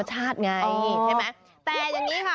แต่อย่างนี้ค่ะ